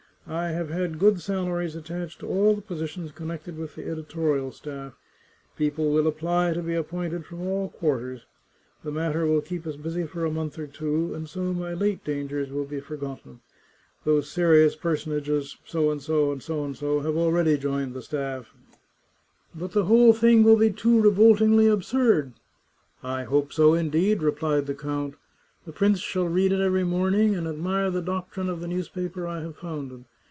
I have had good salaries attached to all the positions connected with the editorial staff — people will apply to be appointed from all quarters — the matter will keep us busy for a month or two, and so my late dangers will be forgotten. Those serious personages P and D have already joined the staff." *' But the whole thing will be too revoltingly absurd! "*' I hope so, indeed," replied the count. *' The prince shall read it every morning, and admire the doctrine of the newspaper I have founded.